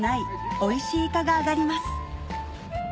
おいしいイカが揚がります